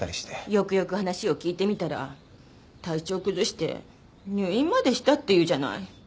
よくよく話を聞いてみたら体調崩して入院までしたっていうじゃない。